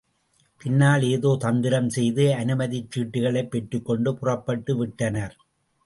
பின்னால் ஏதோ தந்திரம் செய்து அனுமதிச்சீட்டுகளைப் பெற்றுக்கொண்டு புறப்பட்டு விட்டனர்.